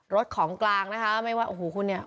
ของกลางนะคะไม่ว่าโอ้โหคุณเนี่ย